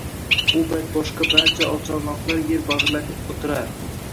bu payt boshqa barcha oqcharloqlar yer bag‘irlab o‘tirar